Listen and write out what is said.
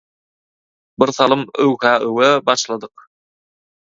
Bir salym «öwh-ä öwe» başladyk.